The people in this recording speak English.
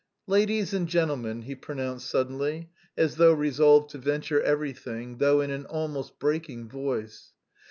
"Ladies and gentlemen," he pronounced suddenly, as though resolved to venture everything, though in an almost breaking voice.